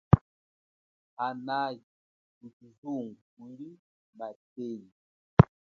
Hanayi kushizungu kuli mathenyi.